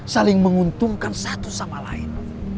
saling menguntungkan satu sama lain